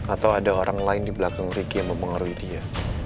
atau ada orang lain di belakang ricky yang mempengaruhi dia